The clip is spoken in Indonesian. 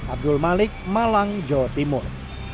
abdul malik malang jawa timur